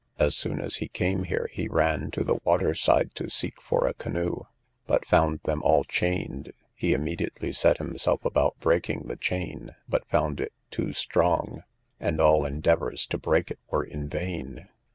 As soon as he came here, he ran to the water side to seek for a canoe, but found them all chained; he immediately set himself about breaking the chain, but found it too strong, and all endeavours to break it were in vain.